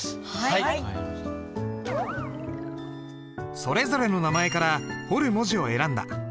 それぞれの名前から彫る文字を選んだ。